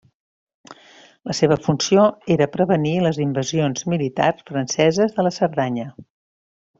La seva funció era prevenir les invasions militars franceses de la Cerdanya.